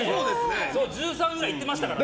１３ぐらいいってましたからね。